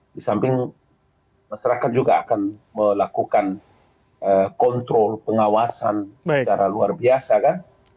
di samping masyarakat juga akan melakukan kontrol pengawasan secara luar biasa kan